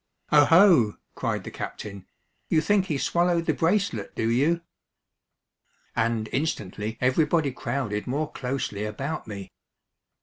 "Oho!" cried the captain, "you think he swallowed the bracelet, do you?" And instantly everybody crowded more closely about me.